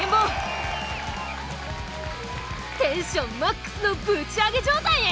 テンションマックスのぶち上げ状態へ！